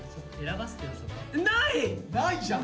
ない！ないじゃん！